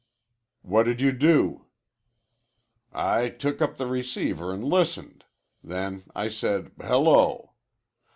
"What did you do?" "I took up the receiver an' listened. Then I said, 'Hello!'